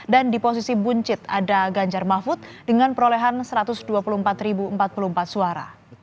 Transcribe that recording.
di posisi buncit ada ganjar mahfud dengan perolehan satu ratus dua puluh empat empat puluh empat suara